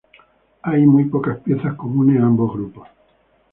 Hay muy pocas piezas comunes a ambos grupos.